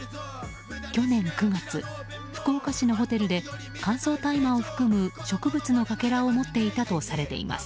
去年９月、福岡市のホテルで乾燥大麻を含む植物のかけらを持っていたとされています。